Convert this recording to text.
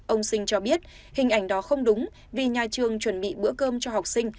ông sinh cho biết hình ảnh đó không đúng vì nhà trường chuẩn bị bữa cơm cho học sinh